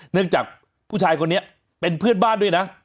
จากผู้ชายคนนี้เป็นเพื่อนบ้านด้วยนะ